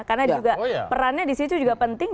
karena perannya disitu juga penting